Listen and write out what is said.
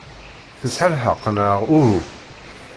Tesɛa lḥeqq, neɣ uhu?